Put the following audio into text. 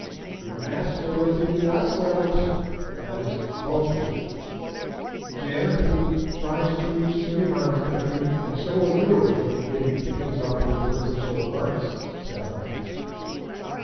"'Your master will feed the aasvögels'—that is, vultures—'Jim, if he tries to reach Suliman's country, and so will you if they can get any pickings off your worthless old carcass,' said I.